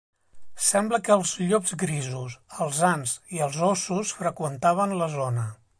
Sembla que els llops grisos, els ants i els óssos freqüentaven la zona.